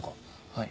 はい。